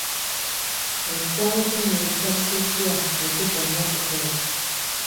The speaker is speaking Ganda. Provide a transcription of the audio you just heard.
Ekisaawe ky'ennyonyi kyagguddwa okuddamu okukola.